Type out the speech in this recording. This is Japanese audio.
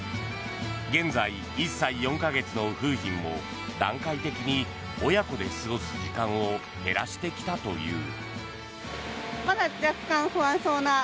現在、１歳４か月の楓浜も段階的に親子で過ごす時間を減らしてきたという。